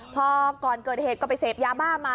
พอก่อนเกิดเหตุก็ไปเสพยาบ้ามา